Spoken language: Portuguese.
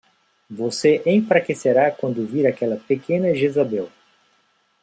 Você enfraquecerá quando vir aquela pequena Jezabel!